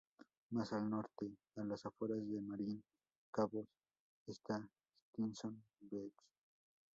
Más al norte, a las afueras de Marín Cabos, está Stinson Beach.